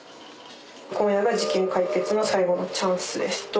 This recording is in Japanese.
「今夜が事件解決の最後のチャンスです」。